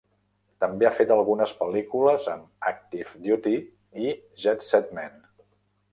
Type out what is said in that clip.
També ha fet algunes pel·lícules amb Active Duty i Jet Set Men.